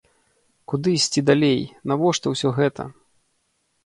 Куды ісці далей, навошта ўсё гэта?